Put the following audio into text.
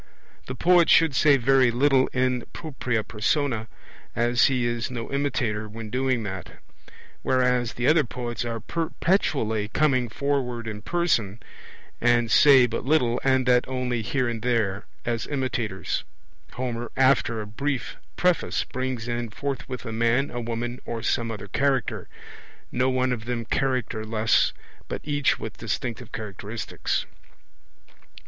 The poet should say very little in propria persona, as he is no imitator when doing that. Whereas the other poets are perpetually coming forward in person, and say but little, and that only here and there, as imitators, Homer after a brief preface brings in forthwith a man, a woman, or some other Character no one of them characterless, but each with distinctive characteristics.